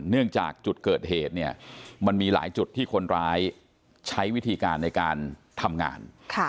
เนื่องจากจุดเกิดเหตุเนี่ยมันมีหลายจุดที่คนร้ายใช้วิธีการในการทำงาน